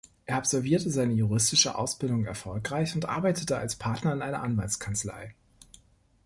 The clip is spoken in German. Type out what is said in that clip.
Er absolvierte seine juristische Ausbildung erfolgreich und arbeitete als Partner in einer Anwaltskanzlei.